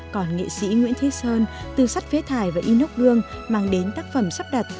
còn nghệ sĩ nguyễn thế sơn từ sắt phế thải và inox đường mang đến tác phẩm sắp đặt